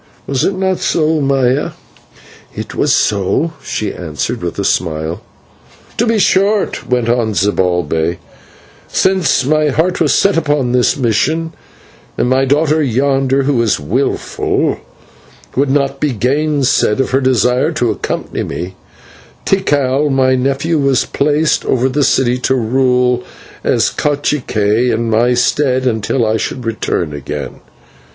Was it not so, Maya?" "It was so," she answered with a smile. "To be short," went on Zibalbay, "since my heart was set upon this mission, and my daughter yonder, who is wilful, would not be gainsayed of her desire to accompany me, Tikal, my nephew, was placed over the city to rule as /cacique/ in my stead until I should return again.